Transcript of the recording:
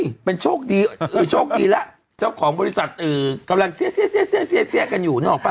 โอ๋ยเป็นโชคดีเล่ะช้อของบริษัทกำลังเซียกันอยู่เนี่ยออกปะ